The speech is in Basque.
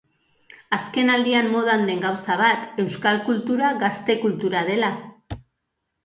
Azken aldian modan den gauza bat, euskal kultura gazte kultura dela.